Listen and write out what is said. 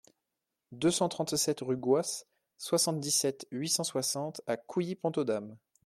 deux cent trente-sept rue Gouas, soixante-dix-sept, huit cent soixante à Couilly-Pont-aux-Dames